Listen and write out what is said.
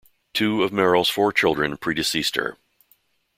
Two of Merrill's four children predeceased her.